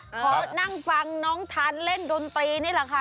เพราะนั่งฟังน้องทันเล่นดนตรีนี่แหละค่ะ